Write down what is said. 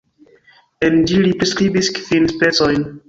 En ĝi li priskribis kvin "specojn".